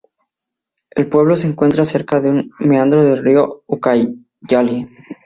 El pueblo se encuentra cerca de un meandro del río Ucayali.